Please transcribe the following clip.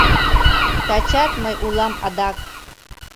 Тачат мый улам адак